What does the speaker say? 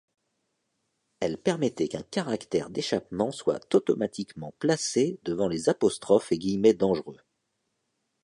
Elles permettaient qu'un caractère d’échappement soit automatiquement placé devant les apostrophes et guillemets dangereux.